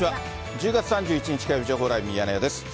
１０月３１日火曜日、情報ライブミヤネ屋です。